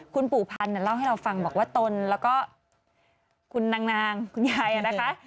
คุณปู่พันธ์เล่าให้เราฟังบอกว่าตนแล้วก็คุณนางคุณยายนะคะ